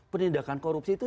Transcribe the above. pendidikan korupsi itu